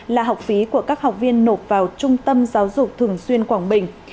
là học phí của các học viên nộp vào trung tâm giáo dục thường xuyên quảng bình